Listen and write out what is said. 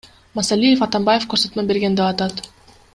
Масалиев Атамбаев көрсөтмө берген деп атат.